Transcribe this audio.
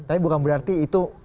tapi bukan berarti itu